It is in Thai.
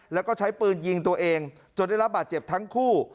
แล้วก็ใช้ปืนยิงตัวเองจนได้รับบาดเจ็บทั้งคู่